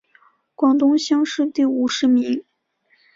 广东乡试第五十名。